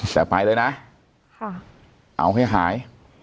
แต่ไปเลยนะเอาให้หาย